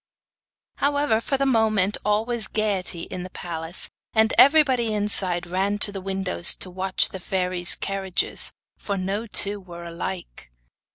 However, for the moment all was gaiety in the palace, and everybody inside ran to the windows to watch the fairies' carriages, for no two were alike.